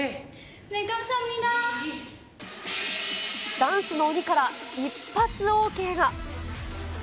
ダンスの鬼から一発ＯＫが。